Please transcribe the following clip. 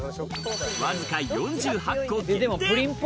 わずか４８個限定。